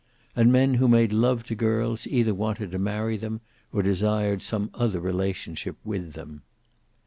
And men who made love to girls either wanted to marry them or desired some other relationship with them.